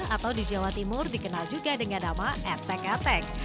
atau di jawa timur dikenal juga dengan nama etek etek